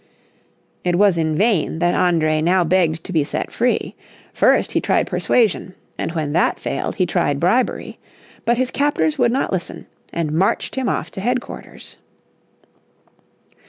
It was in vain that André now begged to be set free. First he tried persuasion, and when that failed he tried bribery. But his captors would not listen, and marched him off to headquarters.